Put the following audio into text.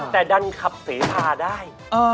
แต่ดันขับเสพาได้